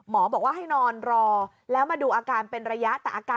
มอบอกว่าให้นอนรอแล้วมาดูอาการเป็นระยะ